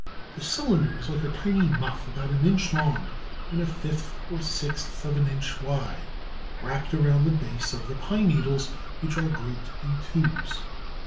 The cylinder is like a tiny muff about an inch long and a fifth or sixth of an inch wide, wrapped around the base of the pine needles, which are grouped in twos.